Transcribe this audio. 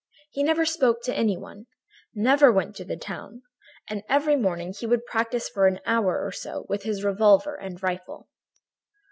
He never spoke to any one, never went to the town, and every morning he would practice for an hour or so with his revolver and rifle.